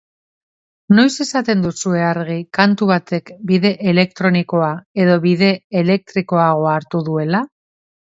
Noiz izaten duzue argi kantu batek bide elektronikoa edo bide elektrikoagoa hartuko duela?